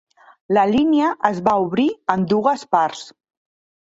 La línia es va obrir en dues parts.